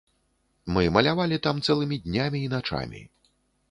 Мы малявалі там цэлымі днямі і начамі.